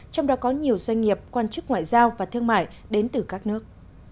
trong đó có nhiều doanh nghiệp quan chức ngoại giao và thương mại đến từ các nước